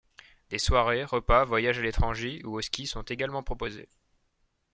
Des soirées, repas, voyages à l'étranger ou au ski sont également proposés.